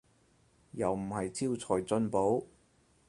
又唔係招財進寶